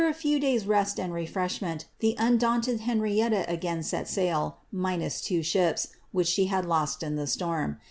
75 After a lew days' rest and refreshment, tlie undaunted Henrietta again set sail, minus two ships, which she had lost in the storm.